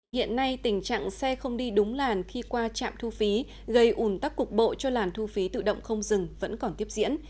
hiện nay tình trạng xe không đi đúng làn khi qua trạm thu phí gây ủn tắc cục bộ cho làn thu phí tự động không dừng vẫn còn tiếp diễn